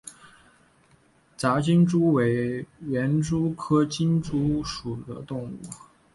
杂金蛛为园蛛科金蛛属的动物。